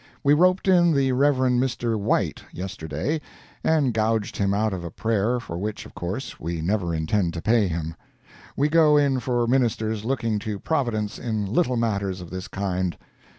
We roped in the Rev. Mr. White, yesterday, and gouged him out of a prayer, for which, of course, we never intend to pay him. We go in for ministers looking to Providence in little matters of this kind.